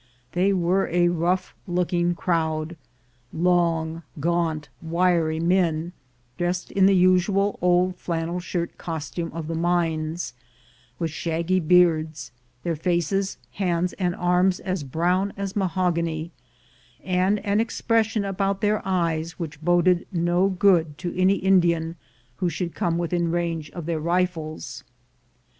They were a rough looking crowd; long, gaunt, wiry men, dressed in the usual old flannel shirt costume of the mines, with shaggy beards, their faces, hands, and arms as brown as mahogany, and with an expression about their eyes which boded no good to any Indian who should come within range of their rifles.